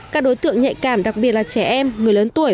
các đối tượng nhạy cảm đặc biệt là trẻ em người lớn tuổi